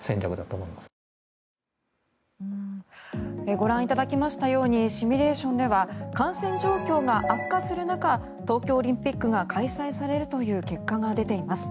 ご覧いただきましたようにシミュレーションでは感染状況が悪化する中東京オリンピックが開催されるという結果が出ています。